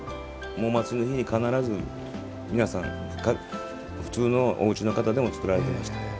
祭りの日に必ず皆さん普通のおうちの方でも作られてました。